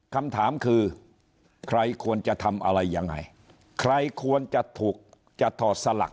คำถามคือใครควรจะทำอะไรยังไงใครควรจะถูกจะถอดสลัก